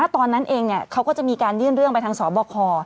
ตอนนั้นเองเขาก็จะมีการยื่นเรื่องไปทางสบค